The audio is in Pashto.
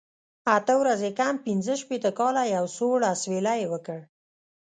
اته ورځې کم پنځه شپېته کاله، یو سوړ اسویلی یې وکړ.